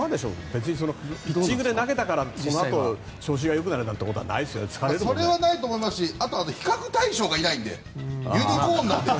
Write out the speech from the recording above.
別にピッチングで投げたからそのあと調子がよくなるっていうことはそれはないと思いますしあと、比較対象がいないのでユニコーンなので。